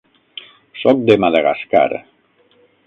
Soc de Madagascar.